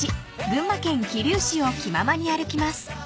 群馬県桐生市を気ままに歩きます］